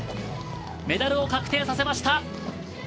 メダルを確定させました。